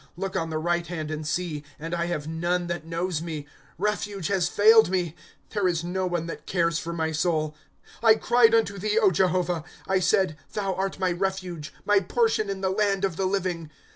Look on the right hand and see,— and I have none that knows me ; Refuge has failed me ; There is no one that cares for my soul. ^ I cried unto thee, O Jehovah ; I said : Thou art my refuge, My portion in the land of the living.